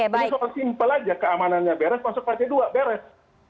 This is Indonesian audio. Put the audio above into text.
tapi soal simpel aja keamanannya beres masuk face dua beres